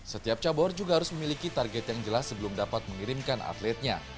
setiap cabur juga harus memiliki target yang jelas sebelum dapat mengirimkan atletnya